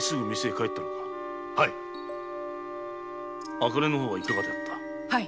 茜の方はいかがであった？